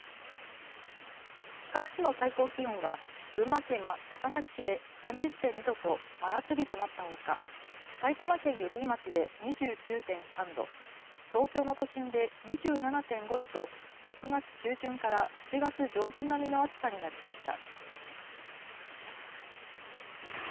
各地の最高気温は群馬県高崎市で３０．２度と真夏日となったほか、埼玉県寄居町で２９．３度、東京の都心で２７．５度と６月中旬から７月上旬並みの暑さになりました。